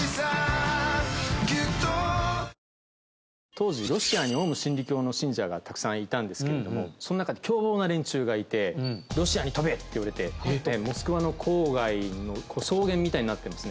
当時ロシアにオウム真理教の信者がたくさんいたんですけれどもその中に凶暴な連中がいてロシアに飛べって言われてモスクワの郊外の草原みたいになってますね。